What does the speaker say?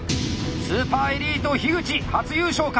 スーパーエリート口初優勝か。